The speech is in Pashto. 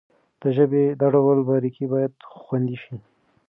د ژبې دا ډول باريکۍ بايد خوندي شي.